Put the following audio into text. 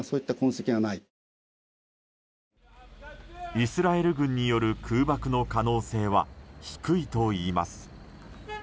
イスラエル軍による空爆の可能性は低いといいます。